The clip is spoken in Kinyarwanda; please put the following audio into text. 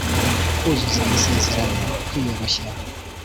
kuzuza amasezerano, kwiyoroshya